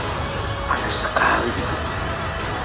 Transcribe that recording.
aku akan pergi ke istana yang lain